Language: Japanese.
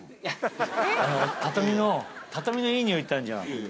あの畳の畳のいい匂いってあんじゃん。